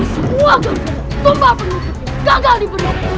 semua gambar tombak penuh gagal di penopang